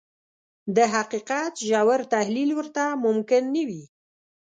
د حقيقت ژور تحليل ورته ممکن نه وي.